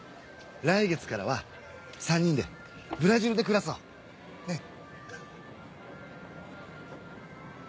来月からは３人でブラジルで暮らそうねっ。